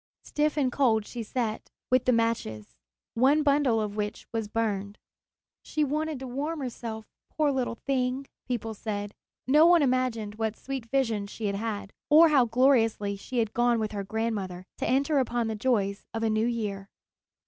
Stiff and cold she sat, with the matches, one bundle of which was burned. "She wanted to warm herself, poor little thing," people said. No one imagined what sweet visions she had had, or how gloriously she had gone with her grandmother to enter upon the joys of a new year.